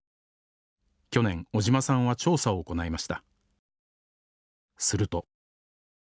去年尾島さんは調査を行いました。